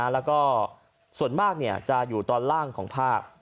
แล้วก็ส่วนมากจะอยู่ตอนล่างของภาค